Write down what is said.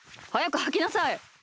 はやくはきなさい！